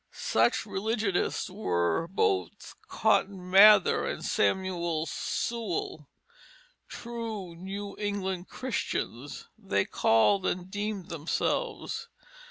Such religionists were both Cotton Mather and Samuel Sewall, "true New English Christians" they called and deemed themselves.